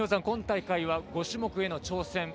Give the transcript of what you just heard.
今大会は５種目への挑戦。